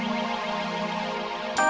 saya sudah itu